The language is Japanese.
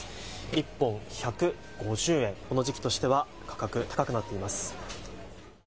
１本１５０円、この時期としては価格、高くなっています。